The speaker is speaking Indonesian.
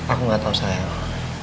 aku gak tau sayang